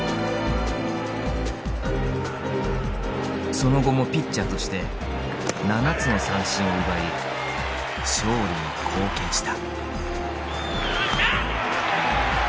その後もピッチャーとして７つの三振を奪い勝利に貢献した。